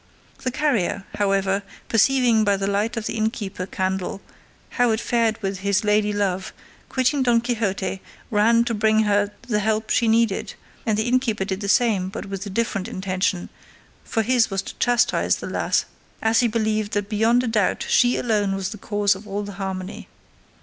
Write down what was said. The carrier, however, perceiving by the light of the innkeeper candle how it fared with his ladylove, quitting Don Quixote, ran to bring her the help she needed; and the innkeeper did the same but with a different intention, for his was to chastise the lass, as he believed that beyond a doubt she alone was the cause of all the harmony.